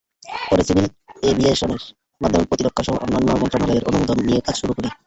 পরে সিভিল অ্যাভিয়েশনের মাধ্যমে প্রতিরক্ষাসহ অন্যান্য মন্ত্রণালয়ের অনুমোদন নিয়ে কাজ শুরু করি।